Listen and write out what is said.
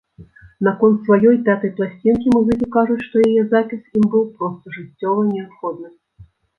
Наконт сваёй пятай пласцінкі музыкі кажуць, што яе запіс ім быў проста жыццёва неабходны.